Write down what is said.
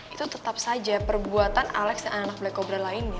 itu tetap saja perbuatan alex dan anak anak black kobra lainnya